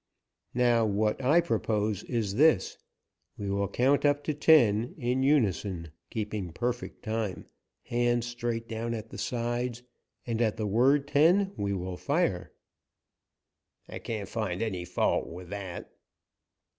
"Now, what I propose is this: We will count up to ten, in unison, keeping perfect time, hands straight down at the sides, and at the word ten we will fire." "I can't find any fault with that."